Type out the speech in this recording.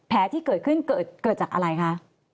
แผลที่เกิดขึ้นเกิดจากอะไรคะ